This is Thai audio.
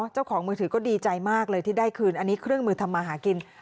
เจ้าของมือถือก็ดีใจมากเลยที่ได้คืนอันนี้เครื่องมือทำมาหากิน